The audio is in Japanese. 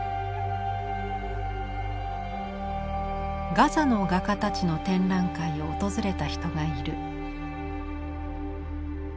ガザの画家たちの展覧会を訪れた人がいる。